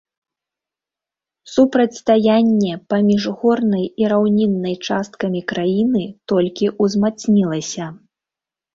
Супрацьстаянне паміж горнай і раўніннай часткамі краіны толькі ўзмацнілася.